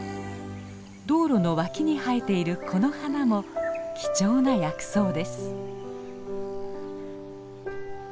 道路の脇に生えているこの花も貴重な薬草です。